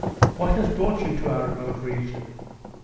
What has brought you to our remote region?"